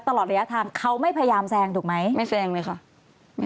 ตลอดระยะทางเขาไม่พยายามแซงถูกไหมไม่แซงเลยค่ะ